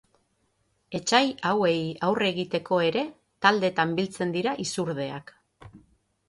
Etsai hauei aurre egiteko ere taldetan biltzen dira izurdeak.